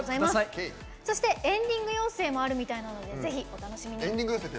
エンディング妖精もあるみたいなのでお楽しみに。